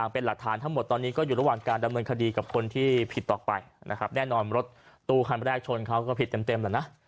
พี่ยังไม่ได้รับเจ้าหรอก